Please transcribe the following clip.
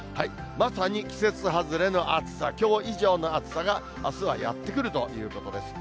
まさに季節外れの暑さ、きょう以上の暑さがあすはやってくるということです。